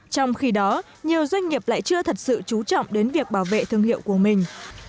trong khi đó nhiều doanh nghiệp lại chưa thật sự trú trọng đến việc bảo vệ thương hiệu của mình